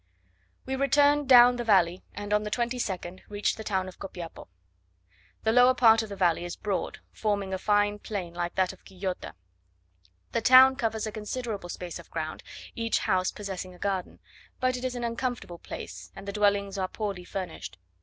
We returned down the valley, and on the 22nd reached the town of Copiapo. The lower part of the valley is broad, forming a fine plain like that of Quillota. The town covers a considerable space of ground, each house possessing a garden: but it is an uncomfortable place, and the dwellings are poorly furnished.